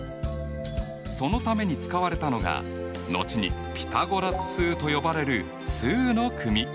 そのために使われたのが後にピタゴラス数と呼ばれる数の組。